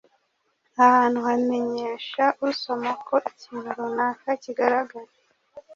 Aha hantu hamenyesha usoma ko ikintu runaka kigaragara